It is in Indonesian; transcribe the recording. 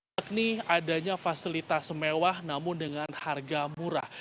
ini adanya fasilitas semewah namun dengan harga murah